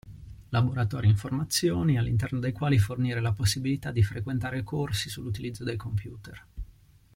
Laboratori informazioni all'interno dei quali fornire la possibilità di frequentare corsi sull'utilizzo del computer.